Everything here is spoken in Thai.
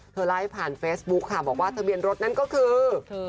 ไล่ผ่านเฟซบุ๊คค่ะบอกว่าทะเบียนรถนั้นก็คือ